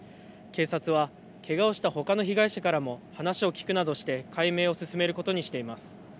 警察はけがをしたほかの被害者からも話を聞くなどして解明を進めることにしています。